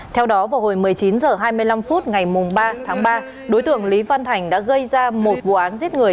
theo đó vào hồi một mươi chín h hai mươi năm phút ngày ba tháng ba đối tượng lý văn thành đã gây ra một vụ án giết người